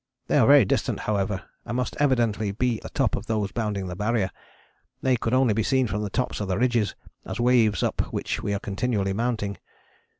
They are very distant, however, and must evidently be the top of those bounding the Barrier. They could only be seen from the tops of the ridges as waves up which we are continually mounting.